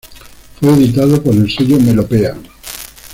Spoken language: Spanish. Fue editado por el sello Melopea.